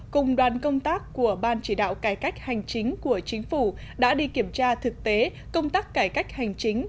cùng đoàn công tác của ban chỉ đạo cải cách hành chính của chính phủ đã đi kiểm tra thực tế công tác cải cách hành chính